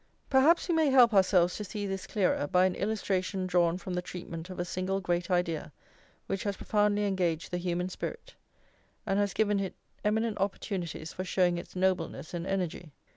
Perhaps we may help ourselves to see this clearer by an illustration drawn from the treatment of a single great idea which has profoundly engaged the human spirit, and has given it eminent opportunities for showing its nobleness and energy.